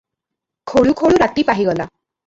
ଖୋଳୁ ଖୋଳୁ ରାତି ପାହିଗଲା ।